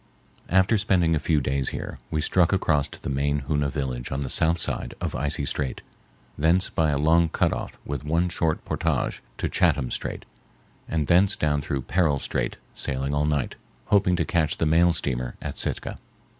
After spending a few days here, we struck across to the main Hoona village on the south side of Icy Strait, thence by a long cut off with one short portage to Chatham Strait, and thence down through Peril Strait, sailing all night, hoping to catch the mail steamer at Sitka.